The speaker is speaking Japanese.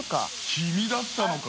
君だったのか。